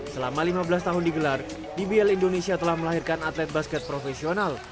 selama lima belas tahun digelar dbl indonesia telah melahirkan atlet basket profesional